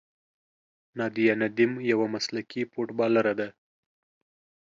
نادیه ندیم یوه مسلکي فوټبالره ده.